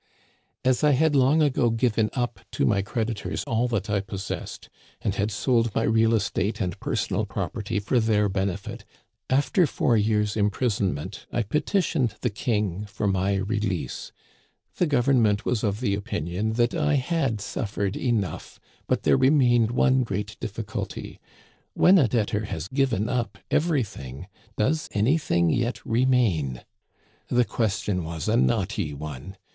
As I had long ago given up to my creditors all that I possessed, and had sold my real estate and per sonal property for their benefit, after four years' im prisonment I petitioned the King for my release. The Government was of the opinion that I had suffered enough, but there remained one great difficulty — when a debtor has given up everything, does anything yet re main ? The question was a knotty one.